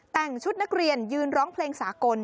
แต่งชุดนักเรียนยืนร้องเพลงสากล